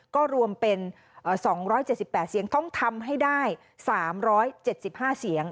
ก็รวมเป็น๒๗๘เสียงต้องทำให้ได้๓๗๕เสียง